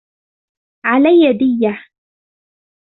عَلَيَّ دِيَةٌ